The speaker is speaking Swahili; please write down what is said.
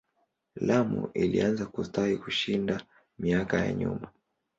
Lamu ilianza kustawi kushinda miaka ya nyuma.